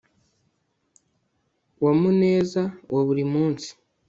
wa muneza wa buri munsi